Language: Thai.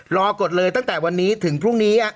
กดเลยตั้งแต่วันนี้ถึงพรุ่งนี้